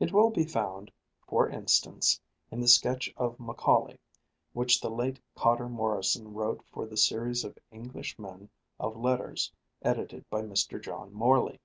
It will be found, for instance, in the sketch of Macaulay which the late Cotter Morrison wrote for the series of English Men of Letters edited by Mr. John Morley.